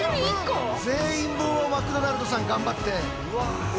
全員分をマクドナルドさん頑張って。